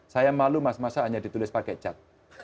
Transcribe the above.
saya malu mas masa hanya ditulis pakai cat